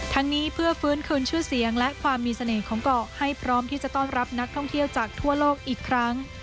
ทั้งนี้เพื่อฟื้นคืนชื่อเสียงและความมีเสน่ห์ของเกาะให้พร้อมที่จะต้อนรับนักท่องเที่ยวจากทั่วโลกอีกครั้ง